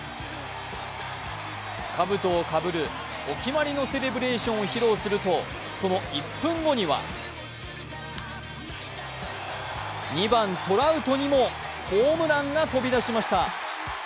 かぶとをかぶるお決まりのセレブレーションを披露するとその１分後には２番・トラウトにもホームランが飛び出しました。